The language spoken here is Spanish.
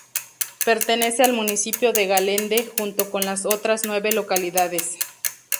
Pertenece al municipio de Galende, junto con otras nueve localidades.